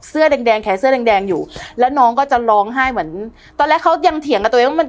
เสื้อแดงแดงแขนเสื้อแดงแดงอยู่แล้วน้องก็จะร้องไห้เหมือนตอนแรกเขายังเถียงกับตัวเองว่ามัน